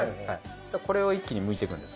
これを一気にむいていくんです。